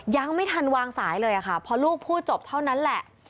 ยังไม่ทันวางสายเลยค่ะพอลูกพูดจบเท่านั้นแหละ